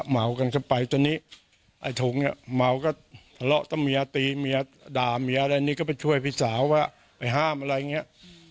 เมากันเข้าไปตอนนี้ไอ้ถุงเนี่ยเมาก็ทะเลาะถ้าเมียตีเมียด่าเมียอะไรนี่ก็ไปช่วยพี่สาวว่าไปห้ามอะไรอย่างนี้